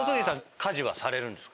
家事はされるんですか？